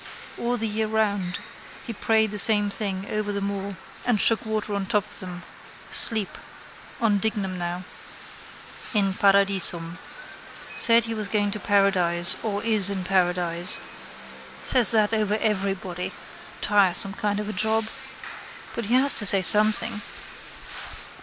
All the year round he prayed the same thing over them all and shook water on top of them: sleep. On Dignam now. —In paradisum. Said he was going to paradise or is in paradise. Says that over everybody. Tiresome kind of a job. But he has to say something.